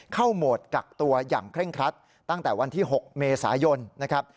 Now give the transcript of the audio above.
โหมดกักตัวอย่างเคร่งครัดตั้งแต่วันที่๖เมษายนนะครับ